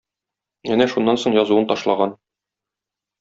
Әнә шуннан соң язуын ташлаган.